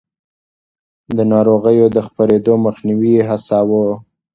د ناروغيو د خپرېدو مخنيوی يې هڅاوه.